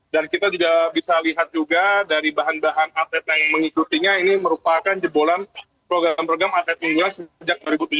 dan kita juga bisa lihat juga dari bahan bahan atlet yang mengikutinya ini merupakan jebolan program program atlet indonesia sejak dua ribu tujuh belas